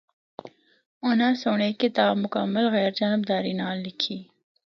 اُناں سنڑ اے کتاب مکمل غیر جانبداری نال لکھی۔